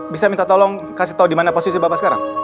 bisa minta tolong kasih tahu di mana posisi bapak sekarang